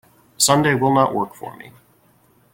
Sunday will not work for me.